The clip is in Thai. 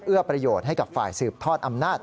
ประโยชน์ให้กับฝ่ายสืบทอดอำนาจ